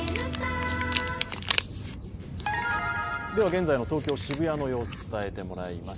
現在の東京・渋谷の様子を伝えてもらいます。